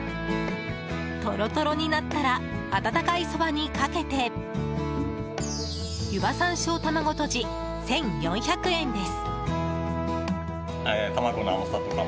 トロトロになったら温かいそばにかけて湯葉山椒玉子とじ１４００円です。